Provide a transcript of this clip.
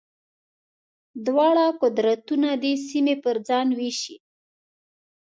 دواړه قدرتونه دې سیمې پر ځان وېشي.